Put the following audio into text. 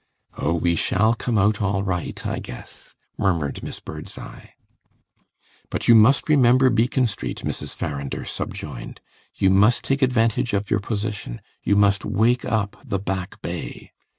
"Oh, we shall come out all right, I guess," murmured Miss Birdseye. "But you must remember Beacon Street," Mrs. Farrinder subjoined. "You must take advantage of your position you must wake up the Back Bay!"